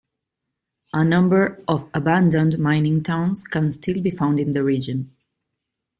A number of abandoned mining towns can still be found in the region.